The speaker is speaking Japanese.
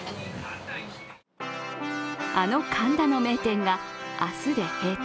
あの神田の名店が明日で閉店。